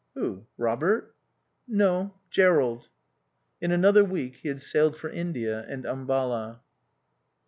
"Who? Robert?" "No, Jerrold." In another week he had sailed for India and Ambala.